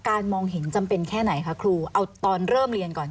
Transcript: มองเห็นจำเป็นแค่ไหนคะครูเอาตอนเริ่มเรียนก่อน